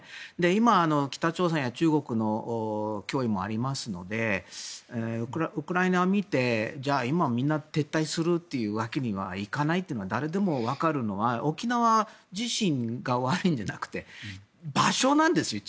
今、北朝鮮や中国の脅威もありますのでウクライナ見て今みんな撤退するわけにはいかないっていうのは誰でも分かるのは沖縄自身が悪いんじゃなくて場所なんですよ。